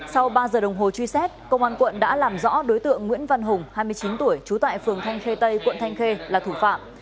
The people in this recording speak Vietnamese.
sau ba giờ đồng hồ truy xét công an quận đã làm rõ đối tượng nguyễn văn hùng hai mươi chín tuổi trú tại phường thanh khê tây quận thanh khê là thủ phạm